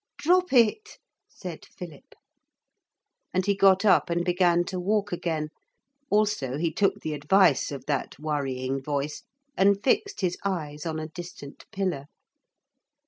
'Drop it!' said Philip. And he got up and began to walk again. Also he took the advice of that worrying voice and fixed his eyes on a distant pillar.